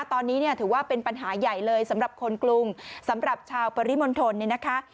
ตอนนี้เนี่ยถือว่าเป็นปัญหาใหญ่เลยสำหรับคนกรุงสำหรับชาวปริมณฑลเนี่ยนะคะ